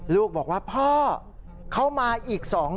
ลูกบอกว่าพ่อเขามาอีก๒คน